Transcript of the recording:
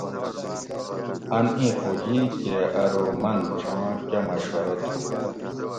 ان ایں فوجی کہ ارو من چھاں کہۤ مشورہ تھو